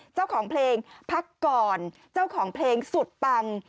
เจ้าของเพลงพักก่อนเจ้าของเพลงสุดปัง